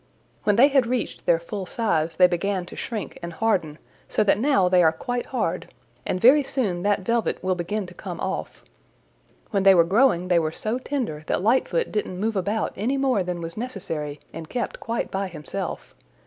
"When they had reached their full size they began to shrink and harden, so that now they are quite hard, and very soon that velvet will begin to come off. When they were growing they were so tender that Lightfoot didn't move about any more than was necessary and kept quite by himself.